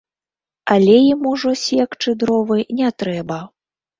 Але ім ужо секчы дровы не трэба.